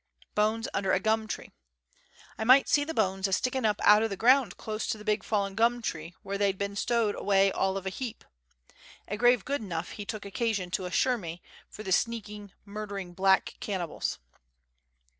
Bones under a Gum tree. " I might see the bones a sticking up out of the ground close to the big fallen gum tree, where they'd been stowed away all of a heap" a grave good enough, he 218 Letters from Victorian Pioneers. took occasion to assure me, for the " sneaking, murdering, black cannibals."